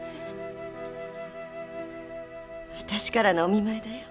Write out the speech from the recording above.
私からのお見舞いだよ。